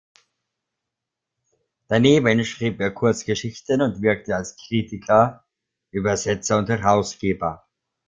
Daneben schrieb er Kurzgeschichten und wirkte als Kritiker, Übersetzer und Herausgeber.